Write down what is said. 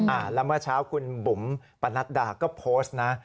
แล้วเมื่อเช้าคุณบุ๋มปะนัดดาก็โพสต์นะ